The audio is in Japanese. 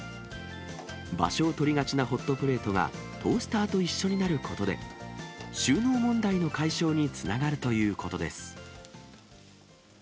場所を取りがちなホットプレートが、トースターと一緒になることで、収納問題の解消につながるということです。